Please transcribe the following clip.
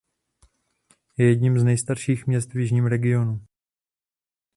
Je jedním z nejstarších měst v jižním regionu.